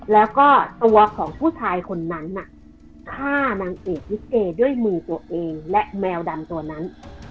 แล้วก็ตัวของผู้ชายคนนั้นน่ะฆ่านางเอกลิกเอด้วยมือตัวเองและแมวดำตัวนั้น